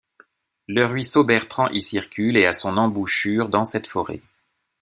Le ruisseau Bertrand y circule et a son embouchure dans cette forêt.